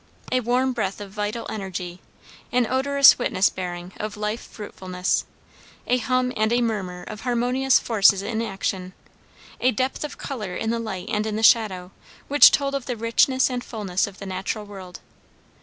A warm breath of vital energy, an odorous witness bearing of life fruitfulness, a hum and a murmur of harmonious forces in action, a depth of colour in the light and in the shadow, which told of the richness and fullness of the natural world.